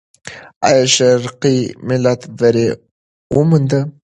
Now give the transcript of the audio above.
آیا شرقي ملت بری وموند؟